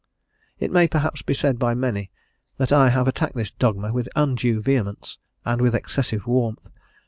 It may perhaps be said by many that I have attacked this dogma with undue vehemence, and with excessive warmth.